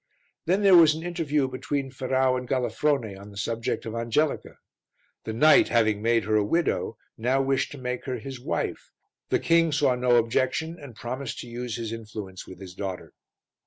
Then there was an interview between Ferrau and Galafrone on the subject of Angelica. The knight, having made her a widow, now wished to make her his wife, the king saw no objection and promised to use his influence with his daughter.